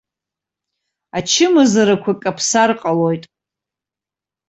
Ачымазарақәа каԥсар ҟалоит.